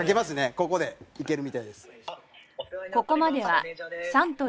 ここでいけるみたいです。